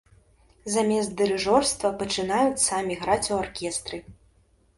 Замест дырыжорства пачынаюць самі граць у аркестры.